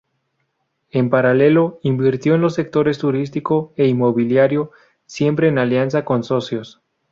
En paralelo, invirtió en los sectores turístico e inmobiliario, siempre en alianza con socios.